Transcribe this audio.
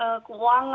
jadi kalau misalnya